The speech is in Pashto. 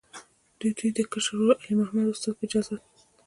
د دوي د کشر ورور، علي محمد استاذ، پۀ اجازت